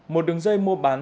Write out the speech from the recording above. một đường dây mua bán